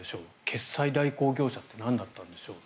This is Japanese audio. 決済代行業者ってなんだったんでしょう。